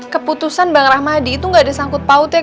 keputusan bang rahmadi itu nggak ada sangkut paut ya